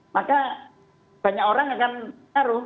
maka banyak orang akan menolak vaksin